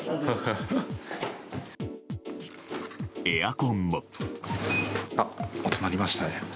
エアコンも。